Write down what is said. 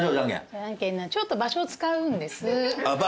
ちょっと場所使うんです。